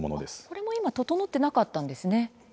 これも今整っていなかったんですね。